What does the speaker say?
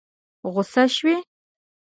غوسه شوې؟